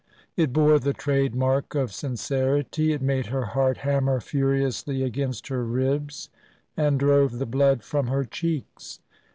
It bore the trademark of sincerity; it made her heart hammer furiously against her ribs, and drove the blood from her cheeks.